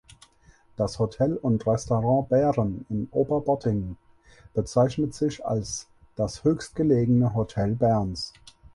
Das Hotel und Restaurant Bären in Oberbottigen bezeichnet sich als das höchstgelegene Hotel Berns.